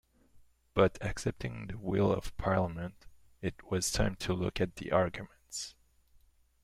But accepting the will of Parliament, it was time to look at the arguments.